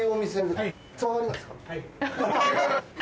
はい。